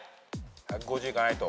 １５０いかないと。